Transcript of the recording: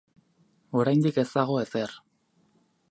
Oraindik ez dago ezer.